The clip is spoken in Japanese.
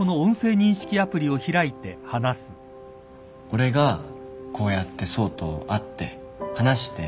俺がこうやって想と会って話して。